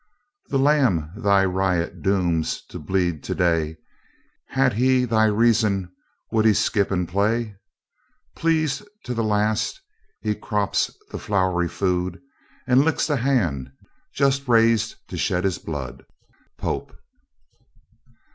The lamb thy riot dooms to bleed to day, Had he thy reason, would he skip and play? Pleased to the last, he crops the flowery food, And licks the hand just raised to shed his blood. Pope.